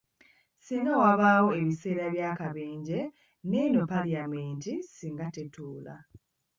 Singa wabaawo ebiseera bya kabenje neeno palamenti singa tetuula.